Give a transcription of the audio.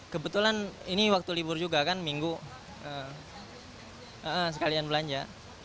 kebetulan ini waktu libur juga kan minggu sekalian belanja